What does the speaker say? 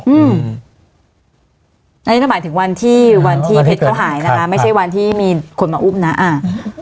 อืมอันนี้ก็หมายถึงวันที่วันที่เพชรเขาหายนะคะไม่ใช่วันที่มีคนมาอุ้มนะอ่า